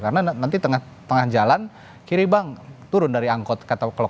karena nanti tengah jalan kiri bang turun dari angkot kata mas ifah gitu